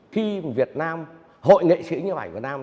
khi việt nam hội nghệ sĩ nhiếp ảnh việt nam